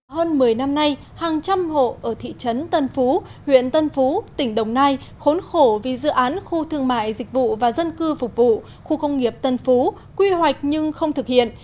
hơn một mươi năm nay hàng trăm hộ ở thị trấn tân phú huyện tân phú tỉnh đồng nai khốn khổ vì dự án khu thương mại dịch vụ và dân cư phục vụ khu công nghiệp tân phú quy hoạch nhưng không thực hiện